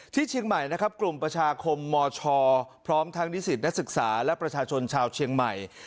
เชียงใหม่นะครับกลุ่มประชาคมมชพร้อมทั้งนิสิตนักศึกษาและประชาชนชาวเชียงใหม่